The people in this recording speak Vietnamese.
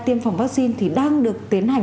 tiêm phòng vaccine thì đang được tiến hành